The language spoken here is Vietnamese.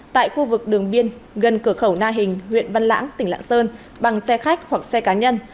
tại khu vực đường biên gần cửa khẩu na hình huyện văn lãng tỉnh lạng sơn bằng xe khách hoặc xe cá nhân